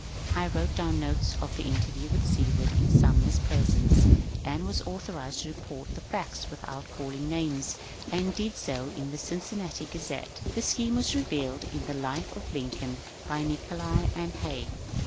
^ I wrote down notes of the interview with Seward in Sum ner's presence, and was authorized to report the facts without calling names, and did so in the Cincinnati Gazette." The scheme is revealed in the ^^ Life of Lincoln " by Nicolay and Hay.